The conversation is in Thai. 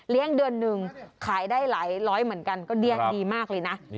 เดือนหนึ่งขายได้หลายร้อยเหมือนกันก็เลี้ยงดีมากเลยนะ